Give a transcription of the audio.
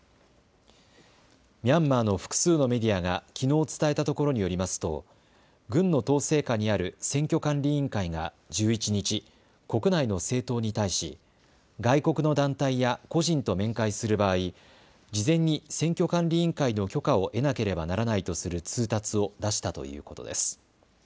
ミャンマーの複数のメディアがきのう伝えたところによりますと軍の統制下にある選挙管理委員会が１１日、国内の政党に対し外国の団体や個人と面会する場合、事前に選挙管理委員会の許可を得なければならないとする通達を出したということです。